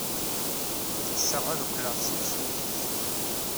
Ɣetseɣ ad qqleɣ d timsujjit.